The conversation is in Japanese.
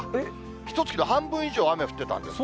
ひとつきの半分以上、雨降ってたんですね。